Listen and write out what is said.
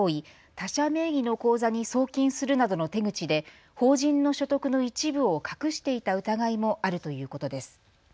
他社名義の口座に送金するなどの手口で法人の所得の一部を隠していた疑いもあるということです。